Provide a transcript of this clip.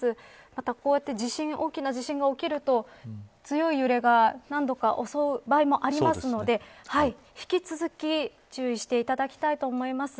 また、こうやって大きな地震が起きると強い揺れが何度か襲う場合もありますので引き続き注意していただきたいと思います。